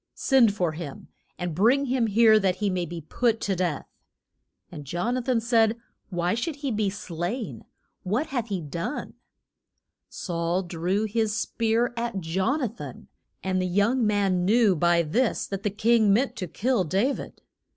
Send for him, and bring him here that he may be put to death. And Jon a than said, Why should he be slain? What hath he done? [Illustration: JON A THAN SHOOT ING THE AR ROWS.] Saul threw his spear at Jon a than. And the young man knew by this that the king meant to kill Da vid.